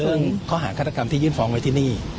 เรื่องข้อหารข้าระกันที่ยืนฟ้องไปที่นี่